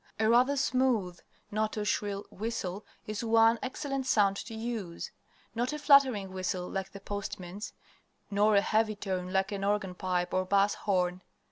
A rather smooth, not too shrill, whistle is one excellent sound to use. Not a fluttering whistle like the postman's, nor a heavy tone like an organ pipe or bass horn.